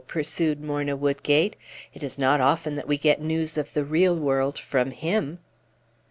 pursued Morna Woodgate. "It is not often that we get news of the real world from him!"